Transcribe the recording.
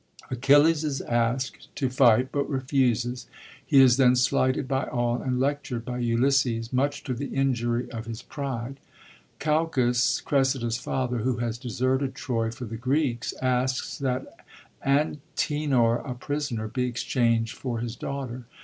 Achilles is askt to fight, but refuses ; he is then slighted by all, and lectured by Ulysses, much to the injury of his pride. Oalchas, Cressida^s father, who has deserted Troy for the Greeks, Hsks that Antenor, a prisoner, be exchanged for his daughter.